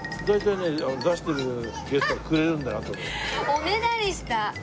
おねだりした。